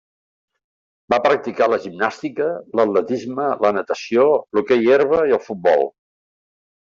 Va practicar la gimnàstica, l'atletisme, la natació, l'hoquei herba i el futbol.